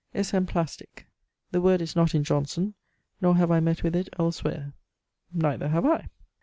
"Esemplastic. The word is not in Johnson, nor have I met with it elsewhere." Neither have, I.